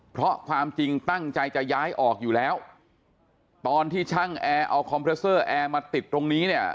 เพราะความจริงตั้งใจจะย้ายออกอยู่แล้วตอนที่ช่างแอร์เอาคอมเพรสเซอร์แอร์มาติดตรงนี้เนี่ย